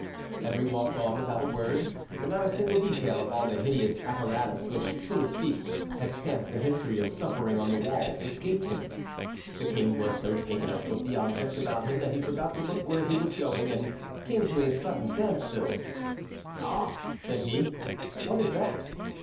Henry walked on without a word, but not a single detail of all the hideous apparatus which, so to speak, had stamped the history of suffering on the walls escaped him. The king was so taken up with the objects about him that he forgot to look where he was going, and came to a sudden standstill. "Ah!" said he, "what is that?"